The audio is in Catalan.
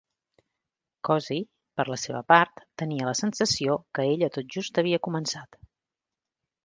Cosey, per la seva part, tenia la sensació que ella tot just havia començat.